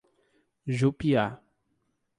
Jupiá